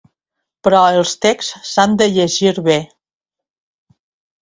Però els texts s’han de llegir bé.